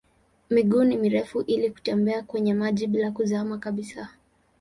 Miguu ni mirefu ili kutembea kwenye maji bila kuzama kabisa.